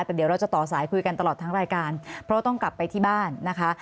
แต่เดี๋ยวเราจะต่อสายคุยกันตลอดทั้งรายการเพราะต้องกลับไปที่บ้านนะคะ